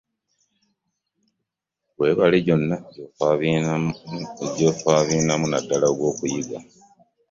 Weebale gyonna gy'ofaabiinamu naddala ogw'okuyiga.